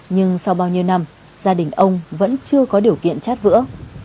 nhưng sau bao nhiêu năm gia đình ông vẫn chưa có điều kiện chát vữa